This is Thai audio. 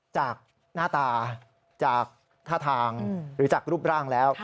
จากหน้าตาจากท่าทางหรือจากรูปร่างแล้ว